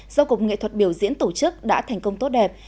do cục nghệ thuật biểu diễn tổ chức đã thành công tốt đẹp